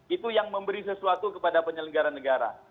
itu yang memberi sesuatu kepada penyelenggara negara